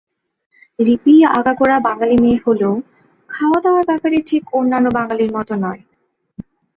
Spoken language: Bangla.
রিপি আগাগোড়া বাঙালি মেয়ে হলেও খাওয়া-দাওয়ার ব্যাপারে ঠিক অন্যান্য বাঙালির মতো নয়।